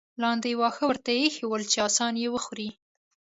لاندې یې واښه ورته اېښي ول چې اسان یې وخوري.